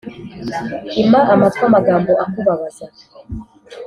Ima amatwi amagambo akubabaza